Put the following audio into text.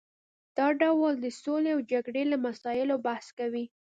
دا ډول د سولې او جګړې له مسایلو بحث کوي